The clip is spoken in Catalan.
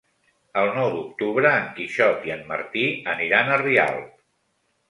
El nou d'octubre en Quixot i en Martí aniran a Rialp.